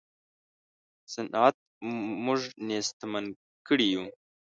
صنعت موږ نېستمن کړي یو.